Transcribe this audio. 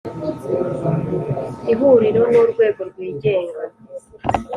Ihuriro ni urwego rwigenga